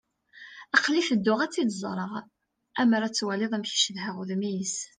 Aql-i tedduɣ ad tt-id-ẓreɣ. Ammer ad twaliḍ amek i cedhaɣ udem-is.